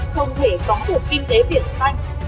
không thể có được kinh tế biển xanh